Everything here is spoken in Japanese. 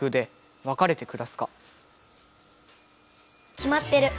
きまってる。